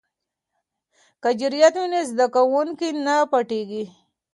که جرئت وي نو زده کوونکی نه پټیږي.